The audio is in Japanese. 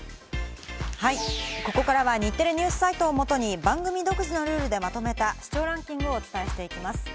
はい、ここからは日テレニュースサイトをもとに番組独自のルールでまとめた視聴ランキングをお伝えしていきます。